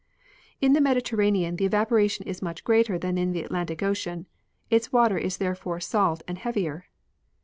In the Mediterranean the evaporation is much greater than in the Atlantic ocean; its water is therefore salt and heavier.